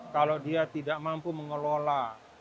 kalau dia tidak mampu mengelola